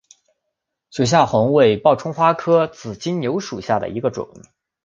雪下红为报春花科紫金牛属下的一个种。